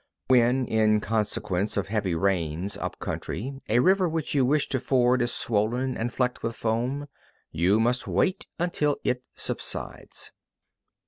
14. When, in consequence of heavy rains up country, a river which you wish to ford is swollen and flecked with foam, you must wait until it subsides.